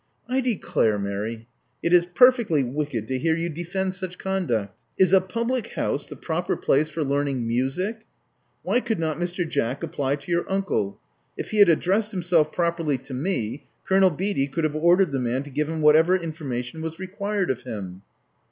I declare, Mary, it is perfectly wicked to hear you defend such conduct. Is a public house the proper place for learning music? Why?? could not Mr. Jack apply to your uncle? If he had addressed himself properly to me, Colonel Beatty could have ordered the man to give him whatever information was required of him."